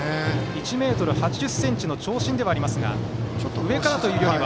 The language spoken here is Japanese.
１ｍ８０ｃｍの長身ではありますが上からというよりは。